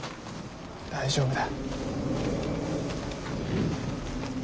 大丈夫だ。